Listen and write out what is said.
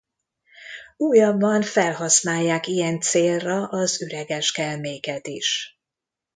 Újabban felhasználják ilyen célra az üreges kelméket is.